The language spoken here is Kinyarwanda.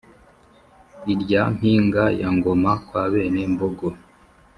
Irya mpinga ya Ngoma kwa bene Mbogo